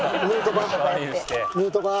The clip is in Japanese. ヌートバー。